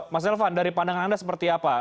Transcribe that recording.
mas elvan dari pandangan anda seperti apa